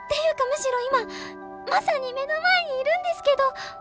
むしろ今まさに目の前にいるんですけど！